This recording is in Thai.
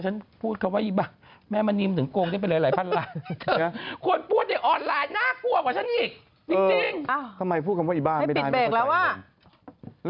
ฉันพูดคำว่าแม่มณีถึงโกงได้ไปหลายพันลาย